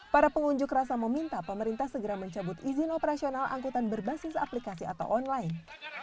para pengunjuk rasa meminta pemerintah segera mencabut izin operasional angkutan berbasis aplikasi atau online